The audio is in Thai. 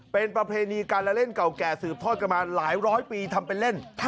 เป็นประเพณีการละเล่นเก่าแก่สืบทอดกันมาหลายร้อยปีทำเป็นเล่น